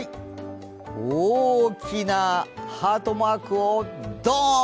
大きなハートマークをドーン！